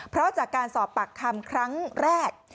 เพราะจากการสอบปากคำครั้งแรก